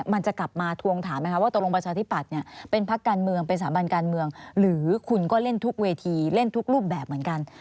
มันจะกลับมาทวงถามไหมคะว่าตกลงประชาธิปัตย์เป็นพักการเมืองเป็นสถาบันการเมืองหรือคุณก็เล่นทุกเวทีเล่นทุกรูปแบบเหมือนกัน